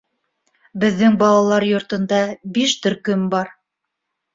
Беҙҙең балалар йортонда биш төркөм бар.